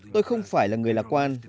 tôi không phải là người lạc quan